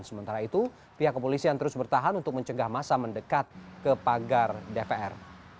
sementara itu pihak kepolisian terus bertahan untuk mencegah masa mendekat ke pagar dpr